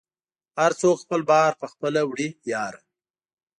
هر څوک خپل بار په خپله وړی یاره